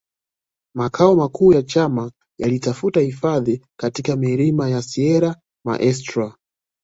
Makao makuu ya chama yalitafuta hifadhi katika milima ya Sierra Maestra